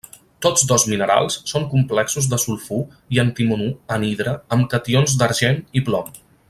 Tots dos minerals són complexos de sulfur i antimonur anhidre amb cations d'argent i plom.